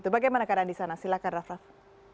bagaimana keadaan di sana silakan raff raff